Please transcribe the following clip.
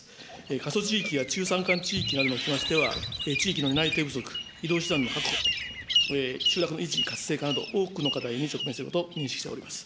過疎地域や中山間地域などにおきましては、地域の担い手不足、移動手段の確保、集落の維持活性化など、多くの課題に直面していることと認識しております。